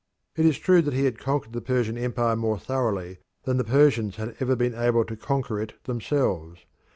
It is true that he had conquered the Persian empire more thoroughly than the Persians had ever been able to conquer it themselves.